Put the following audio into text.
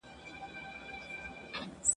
د رحمن بابا شعر ولي تر اوسه ژوندی دی؟ !.